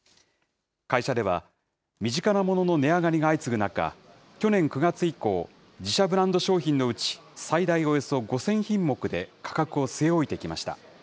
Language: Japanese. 会社では、身近なモノの値上がりが相次ぐ中、去年９月以降、自社ブランド商品のうち、最大およそ５０００品目で価格を据え置いてきました。